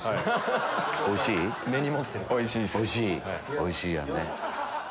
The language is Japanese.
おいしいよね。